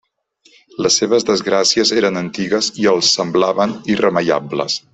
Les seves desgràcies eren antigues i els semblaven irremeiables.